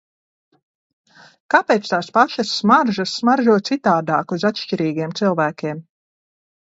Kāpēc tās pašas smaržas smaržo citādāk uz atšķirīgiem cilvēkiem?